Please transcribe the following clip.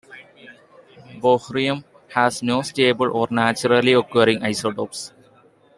Bohrium has no stable or naturally occurring isotopes.